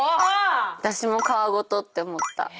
私も皮ごとって思った。